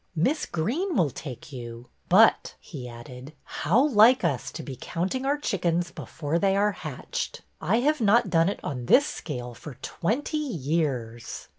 '' Miss Greene will take you. But," he added, how like us to be counting our chickens before they are hatched! I have not done it on this scale for twenty years."